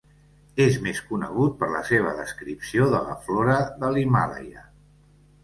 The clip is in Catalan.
És més conegut per la seva descripció de la flora de l'Himàlaia.